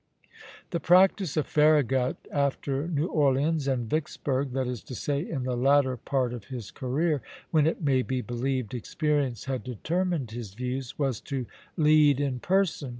The practice of Farragut after New Orleans and Vicksburg, that is to say, in the latter part of his career, when it may be believed experience had determined his views, was to lead in person.